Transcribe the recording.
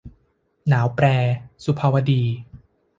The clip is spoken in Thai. หนาวแปร - สุภาวดี